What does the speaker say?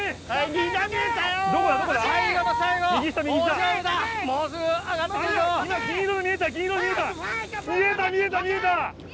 見えた見えた見えた！